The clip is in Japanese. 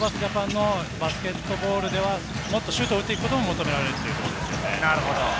ＪＡＰＡＮのバスケットボールではもっとシュートを打っていくことも求められるんですね。